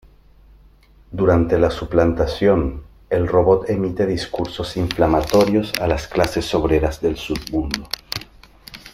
Durante la suplantación, el robot emite discursos inflamatorios a las clases obreras del submundo.